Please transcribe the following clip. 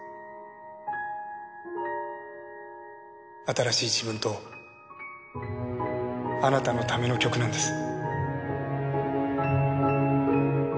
新しい自分とあなたのための曲なんです。